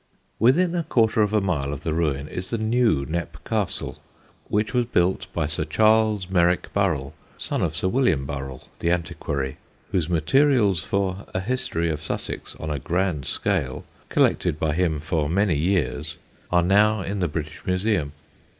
Within a quarter of a mile of the ruin is the new Knepp Castle, which was built by Sir Charles Merrik Burrell, son of Sir William Burrell, the antiquary, whose materials for a history of Sussex on a grand scale, collected by him for many years, are now in the British Museum.